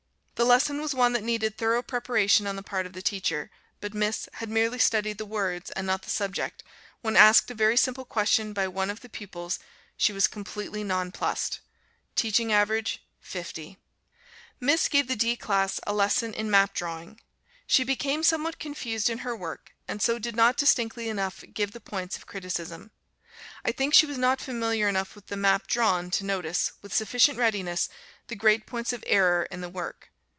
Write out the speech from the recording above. The lesson was one that needed thorough preparation on the part of the teacher, but Miss had merely studied the words and not the subject; when asked a very simple question by one of the pupils, she was completely nonplussed. Teaching average 50. Miss gave the D class a lesson in Map Drawing. She became somewhat confused in her work, and so did not distinctly enough give the points of criticism. I think she was not familiar enough with the map drawn to notice, with sufficient readiness, the great points of error in the work.